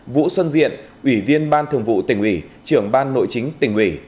vũ xuân diện ủy viên ban thường vụ tỉnh uỷ trưởng ban nội chính tỉnh uỷ